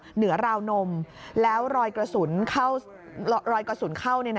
เหนือราวนมแล้วรอยกระสุนเข้ารอยกระสุนเข้า